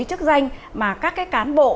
chức danh mà các cái cán bộ